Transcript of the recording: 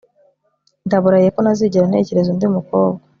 ndabarahiye ko ntazigera ntekereza undi mukobwa